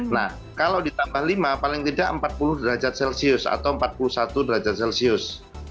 nah kalau ditambah lima paling tidak empat puluh derajat celcius atau empat puluh satu derajat celcius